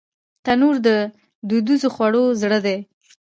تنور د دودیزو خوړو زړه دی